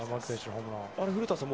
古田さん